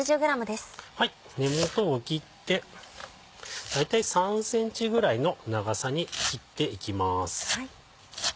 根元を切って大体３ｃｍぐらいの長さに切っていきます。